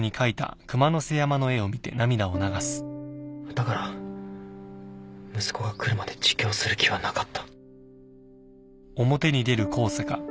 だから息子が来るまで自供する気はなかった。